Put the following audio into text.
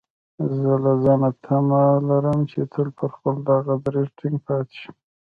زه له ځانه تمه لرم چې تل پر خپل دغه دريځ ټينګ پاتې شم.